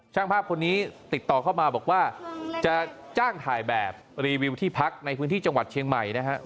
ช่างภาพคนนี้ติดต่อเข้ามาบอกว่าจะจ้างถ่ายแบบรีวิวที่พักในพื้นที่จังหวัดเชียงใหม่นะครับ